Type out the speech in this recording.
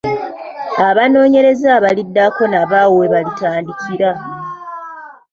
Abanoonyereza abaliddako nabo awo we balitandikira.